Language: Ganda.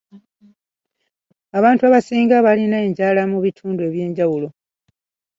Abantu abasinga balina enjala mu bintu eby’enjawulo.